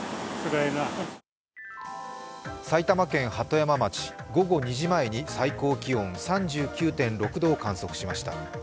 埼玉県鳩山町、午後２時前に最高気温３９．６度を観測しました。